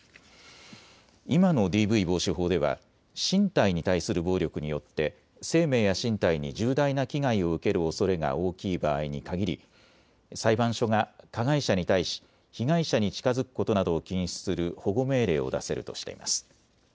今のＤＶ防止法では身体に対する暴力によって生命や身体に重大な危害を受けるおそれが大きい場合に限り裁判所が加害者に対し被害者に近づくことなどを禁止する保護命令を出せるとしています。